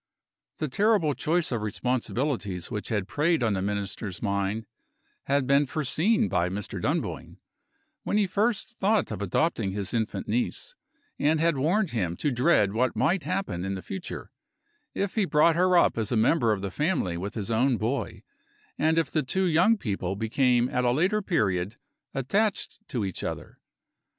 The terrible choice of responsibilities which had preyed on the Minister's mind had been foreseen by Mr. Dunboyne, when he first thought of adopting his infant niece, and had warned him to dread what might happen in the future, if he brought her up as a member of the family with his own boy, and if the two young people became at a later period attached to each other.